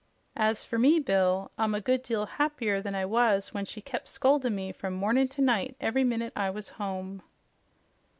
As fer me, Bill, I'm a good deal happier than I was when she kep' scoldin' me from mornin' to night every minute I was home."